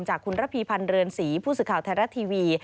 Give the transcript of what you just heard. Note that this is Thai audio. จากคุณระพีพันธ์เรือนศรีผู้สื่อข่าวไทยรัฐทีวี